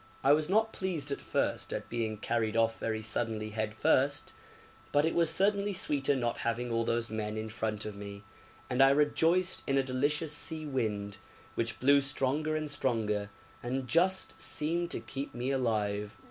I was not pleased at first at being carried off very suddenly head first, but it was certainly sweeter not having all those men in front of me, and I rejoiced in a delicious sea wind, which blew stronger and stronger, and just seemed to keep me alive.